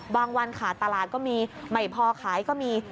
วันขาดตลาดก็มีไม่พอขายก็มี